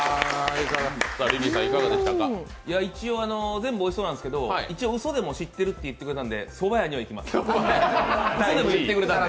全部おいしそうなんですけど一応うそでも知ってると言ってくれたんで、そば屋には行きます。